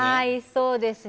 そうですね。